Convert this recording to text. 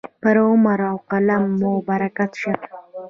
پر عمر او قلم مو برکت شه.